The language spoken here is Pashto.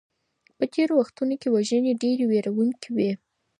په تيرو وختونو کي وژنې ډېرې ويرونکي وې.